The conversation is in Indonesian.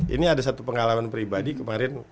ini ada satu pengalaman pribadi kemarin